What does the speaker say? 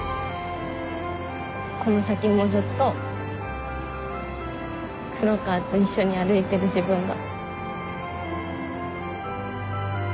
この先もずっと黒川と一緒に歩いてる自分が。